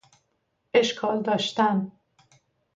اشکال داشتن